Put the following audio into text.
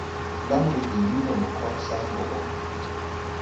Blam rege ni ndɔ mo kɔr saŋ ɓɔ gɔ!